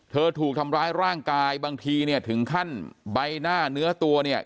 ถูกทำร้ายร่างกายบางทีเนี่ยถึงขั้นใบหน้าเนื้อตัวเนี่ย